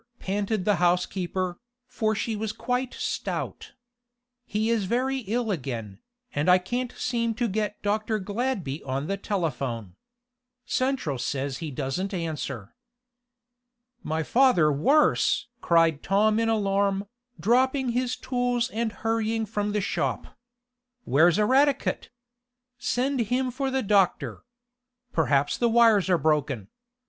panted the housekeeper, for she was quite stout. "He is very ill again, and I can't seem to get Dr. Gladby on the telephone. Central says he doesn't answer." "My father worse!" cried Tom in alarm, dropping his tools and hurrying from the shop. "Where's Eradicate? Send him for the doctor. Perhaps the wires are broken.